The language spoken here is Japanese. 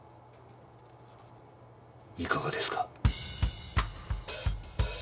いかがですか？